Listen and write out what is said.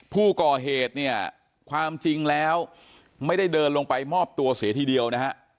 ผู้ก่อเหตุเนี่ยความจริงแล้วไม่ได้เดินลงไปมอบตัวเสียทีเดียวนะฮะ